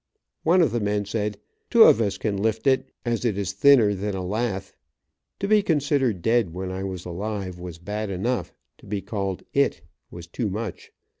One of the men said, "Two of us can lift it, as it is thinner than a lathe." To be considered dead, when I was alive, was bad enough, but to be called "it" was too much.